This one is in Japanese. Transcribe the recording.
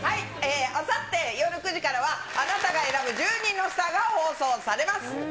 あさって夜９時からは、あなたが選ぶ１０人のスターが放送されます。